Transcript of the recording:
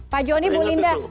pak joni bu linda